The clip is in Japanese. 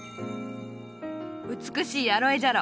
美しいアロエじゃろ。